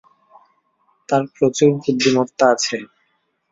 তার প্রচুর বুদ্ধিমত্তা আছে।